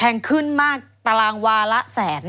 ขึ้นมากตารางวาละแสน